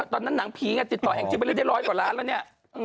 ตอนนั้นนางผีติดต่อแองจิไปเล่นได้ร้อยกว่าร้านแล้วนี่